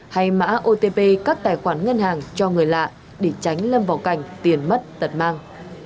hay mã otp các tài khoản ngân hàng cho người lạ để tránh lâm vào cảnh tiền mất tật mang